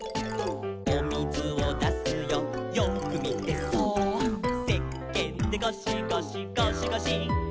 「おみずをだすよよーくみてそーっ」「せっけんでゴシゴシゴシゴシ」